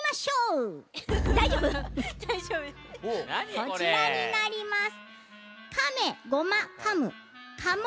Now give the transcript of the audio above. こちらになります。